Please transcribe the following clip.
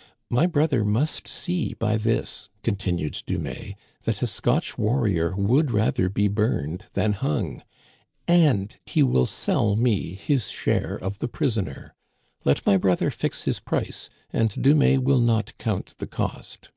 " My brother must see by this," continued Dumais, "that a Scotch warrior would rather be burned than hung, and he will sell me his share of the prisoner. Let my brother fix his price, and Dumais will not count the cost."